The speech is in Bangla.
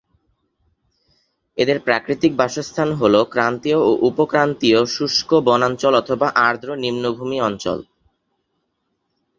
এদের প্রাকৃতিক বাসস্থান হল ক্রান্তীয় ও উপক্রান্তীয় শুষ্ক বনাঞ্চল অথবা আর্দ্র নিম্নভূমি অঞ্চল।